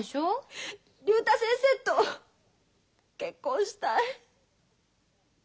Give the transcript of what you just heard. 竜太先生と結婚したい。